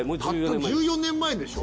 たった１４年前でしょ。